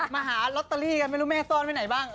มาหาลอตเตอรี่กันไม่รู้แม่ซ่อนไว้ไหนบ้าง